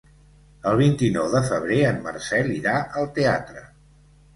El vint-i-nou de febrer en Marcel irà al teatre.